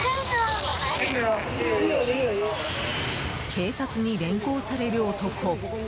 警察に連行される男。